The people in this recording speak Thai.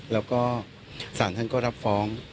แล้วก็ศาลท่านก็รับฟ้อง